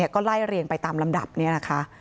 ก็ไล่เรียงไปตามลำดับนี้นะคะ